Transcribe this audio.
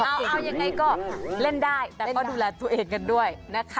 เอายังไงก็เล่นได้แต่ก็ดูแลตัวเองกันด้วยนะคะ